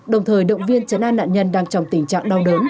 đồng thời động viên chấn an nạn nhân đang trong tình trạng đau đớn